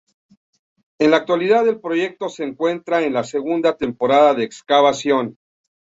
En la actualidad, el proyecto se encuentra en la Segunda Temporada de excavación.